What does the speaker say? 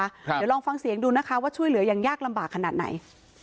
เดี๋ยวลองฟังเสียงดูนะคะว่าช่วยเหลืออย่างยากลำบากขนาดไหน